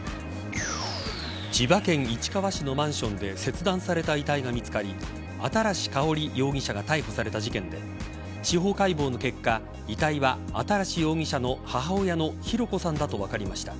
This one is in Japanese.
千葉県市川市のマンションで切断された遺体が見つかり新かほり容疑者が逮捕された事件で司法解剖の結果遺体は、新容疑者の母親の博子さんだと分かりました。